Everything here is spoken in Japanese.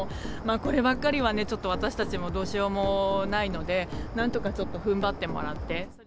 こればっかりはね、ちょっと私たちもどうしようもないので、なんとかちょっとふんばってもらって。